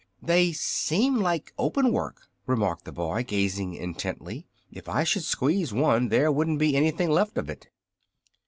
"They seem like open work," remarked the boy, gazing intently. "If I should squeeze one, there wouldn't be anything left of it."